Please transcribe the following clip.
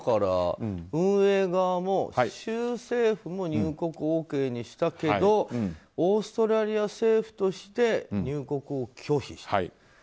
運営側も、州政府も入国ＯＫにしたけどオーストラリア政府として入国を拒否。